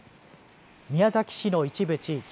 宮崎市の一部地域。